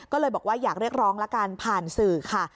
ก็เลยบอกว่าอยากเรียกร้องละกันผ่านสื่อค่ะ